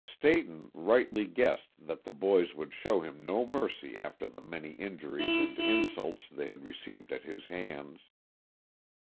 Stayton rightly guessed that the boys would show him no mercy after the many injuries and insults they had received at his hands.